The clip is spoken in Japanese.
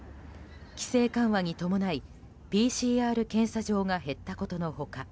規制緩和に伴いＰＣＲ検査場が減ったことの他